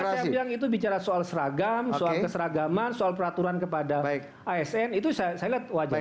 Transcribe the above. kalau saya bilang itu bicara soal seragam soal keseragaman soal peraturan kepada asn itu saya lihat wajar